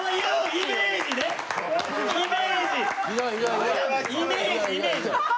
イメージイメージ。